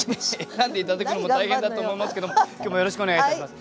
選んで頂くのも大変だと思いますけども今日もよろしくお願いいたします。